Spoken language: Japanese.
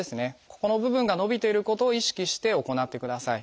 ここの部分が伸びていることを意識して行ってください。